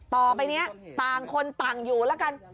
ต่อไปนี้ต่างคนต่างอยู่แล้วกัน